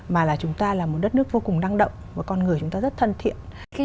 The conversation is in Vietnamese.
mà là chúng ta là một đất nước vô cùng năng động và con người chúng ta rất thân thiện